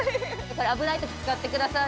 これ、危ない時に使ってください。